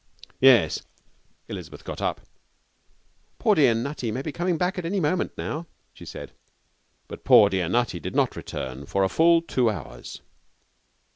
'Yes.' Elizabeth got up. 'Poor, dear Nutty may be coming back at any moment now,' she said. But poor, dear Nutty did not return for a full two hours.